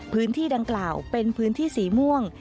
พื้นที่ดังกล่าวเป็นพื้นที่สีม่วง